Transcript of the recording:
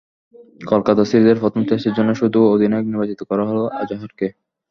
কলকাতায় সিরিজের প্রথম টেস্টের জন্যই শুধু অধিনায়ক নির্বাচিত করা হলো আজহারকে।